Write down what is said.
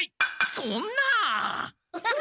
そんな！